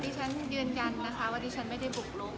ฉันยืนยันนะคะว่าดิฉันไม่ได้บุกลุก